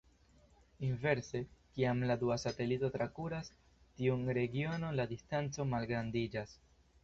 Inverse, kiam la dua satelito trakuras tiun regionon, la distanco malgrandiĝas.